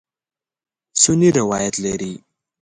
سنې روایت لري.